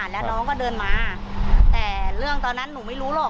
แล้วน้องก็เดินมาแต่เรื่องตอนนั้นหนูไม่รู้หรอก